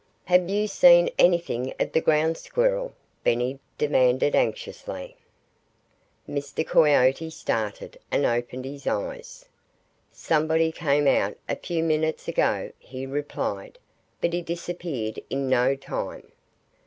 "Have you seen anything of the Ground Squirrel?" Benny demanded anxiously. Mr. Coyote started, and opened his eyes. "Somebody came out a few moments ago," he replied. "But he disappeared in no time."